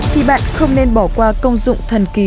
thì bạn không nên bỏ qua công dụng thần kỳ